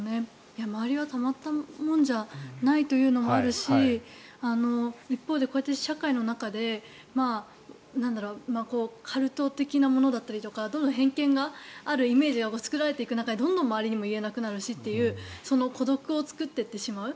周りはたまったもんじゃないというのもあるし一方でこうやって社会の中でカルト的なものだったりとかどんどん偏見が作られていく中でどんどん周りにも言えなくなるしという孤独を作っていってしまう。